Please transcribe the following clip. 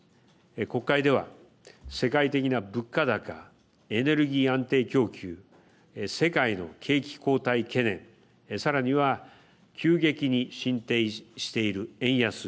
国会では、世界的な物価高、エネルギー安定供給、世界の景気後退懸念さらには急激に進展している円安。